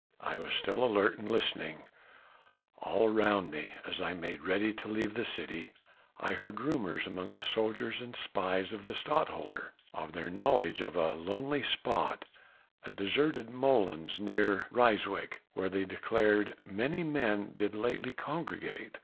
I was still alert and listening: all around me as I made ready to leave the city I heard rumours among the soldiers and spies of the Stadtholder, of their knowledge of a lonely spot a deserted molens near Ryswyk where they declared many men did lately congregate.